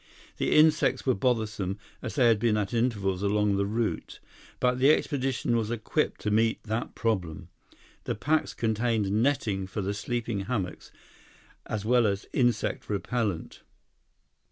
The insects were bothersome, as they had been at intervals along the route, but the expedition was equipped to meet that problem. The packs contained netting for the sleeping hammocks, as well as insect repellent.